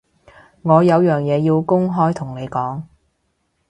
我有樣嘢要公開同你講